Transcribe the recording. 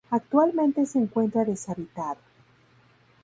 Actualmente se encuentra deshabitado.